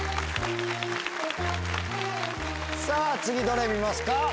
さぁ次どれ見ますか？